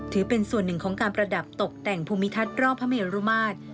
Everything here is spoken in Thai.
ถือเป็นส่วนหนึ่งของการประดับตกแต่งภูมิทัศน์รอบพระเมรุมาตร